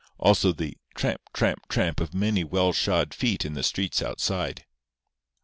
Also the "tramp, tramp, tramp" of many well shod feet in the streets outside.